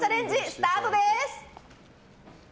スタートです！